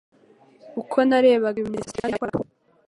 Uko narebaga ibimenyetso Stéphane yakoraga